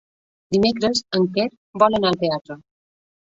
Dimecres en Quer vol anar al teatre.